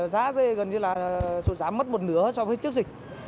giá dây gần như là số giá mất một nửa so với trước dịch